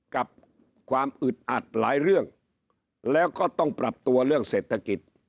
กับความอึดอัดหลายเรื่องแล้วก็ต้องปรับตัวเรื่องเศรษฐกิจ